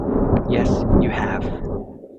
Yes, you have.